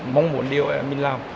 mong muốn điều mình làm